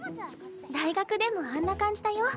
大学でもあんな感じだよ。